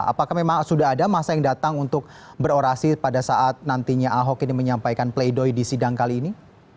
apakah memang sudah ada masa yang datang untuk berorasi pada saat nantinya ahok ini menyampaikan play doh di sidang kali ini